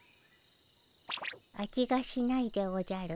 味がしないでおじゃる。